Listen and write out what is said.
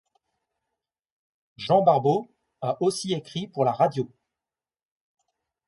Jean Barbeau a aussi écrit pour la radio.